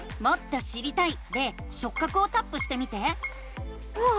「もっと知りたい」で「しょっ角」をタップしてみて。